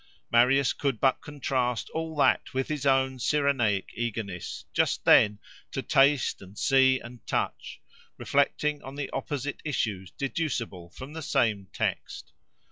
Marius could but contrast all that with his own Cyrenaic eagerness, just then, to taste and see and touch; reflecting on the opposite issues deducible from the same text.